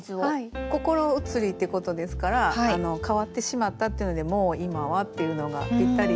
心移りってことですから変わってしまったっていうので「もう今は」っていうのがぴったり。